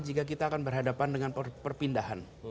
jika kita akan berhadapan dengan perpindahan